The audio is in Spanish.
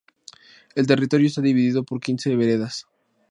El territorio está dividido por quince veredas.